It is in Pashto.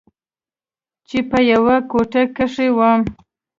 چې په يوه کوټه کښې وم.